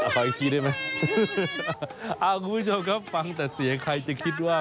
คุณผู้ชมครับฟังแต่เสียใครจะคิดว่า